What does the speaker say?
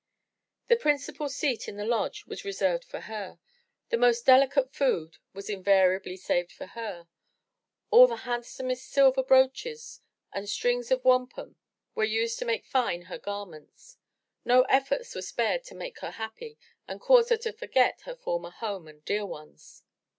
The principal seat in the lodge was reserved for her, the most delicate food was invariably saved for her, all the handsomest silver brooches and strings of wampum were used to make fine her garments; no efforts were spared to make her happy and cause her to forget her former home and dear ones.